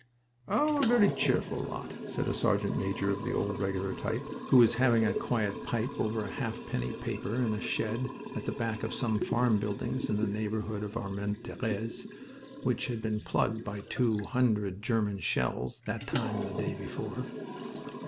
"Oh, a very cheerful lot," said a sergeant major of the old Regular type, who was having a quiet pipe over a half penny paper in a shed at the back of some farm buildings in the neighborhood of Armentieres, which had been plugged by two hundred German shells that time the day before.